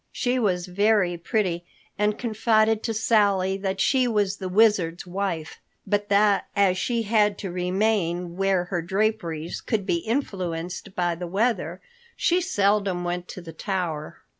She was very pretty, and confided to Sally that she was the Wizard's wife, but that as she had to remain where her draperies could be influenced by the weather, she seldom went to the tower.